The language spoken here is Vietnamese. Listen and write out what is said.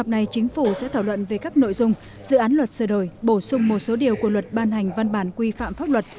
này chính phủ sẽ thảo luận về các nội dung dự án luật sửa đổi bổ sung một số điều của luật ban hành văn bản quy phạm pháp luật